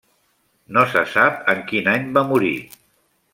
No se sap en quin any va morir.